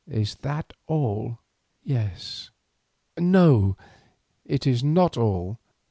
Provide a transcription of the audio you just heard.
"Is that all?" "Yes. No, it is not all.